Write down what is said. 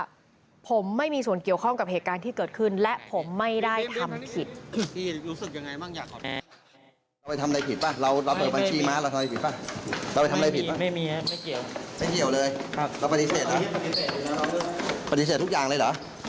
ว่าผมไม่มีส่วนเกี่ยวข้องกับเหตุการณ์ที่เกิดขึ้นและผมไม่ได้ทำผิดป่ะ